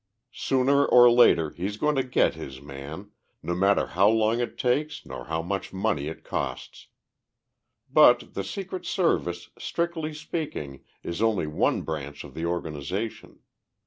Sooner or later he's going to get his man no matter how long it takes nor how much money it costs. "But the Secret Service, strictly speaking, is only one branch of the organization.